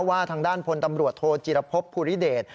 ว่าทางด้านพลตำรวจโทจิรพบภูริเดช